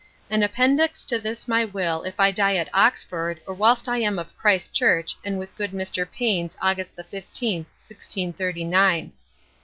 An Appendix to this my Will if I die in Oxford or whilst I am of Christ Church and with good Mr. Paynes August the Fifteenth 1639.